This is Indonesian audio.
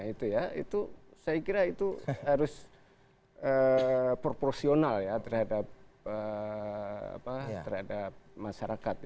itu saya kira harus proporsional terhadap masyarakat